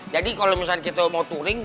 jadi kalau misalnya kita mau touring